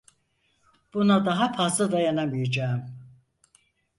Buna daha fazla dayanamayacağım.